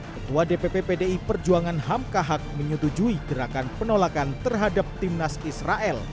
ketua dpp pdi perjuangan ham kahak menyetujui gerakan penolakan terhadap timnas israel